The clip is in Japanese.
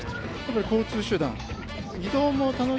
交通手段。